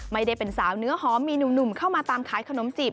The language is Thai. ไม่ได้เป็นสาวเนื้อหอมมีหนุ่มเข้ามาตามขายขนมจีบ